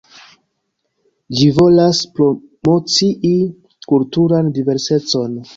Ĝi volas promocii kulturan diversecon.